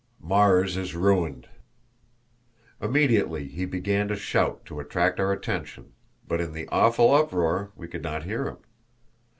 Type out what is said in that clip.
Mars Is Ruined! Immediately he began to shout to attract our attention, but in the awful uproar we could not hear him.